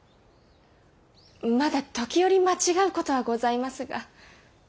まだ時折間違うことはございますが。